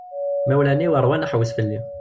Imawlan-iw rwan aḥewwes fell-i.